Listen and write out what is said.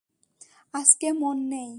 আজকে মন নেই।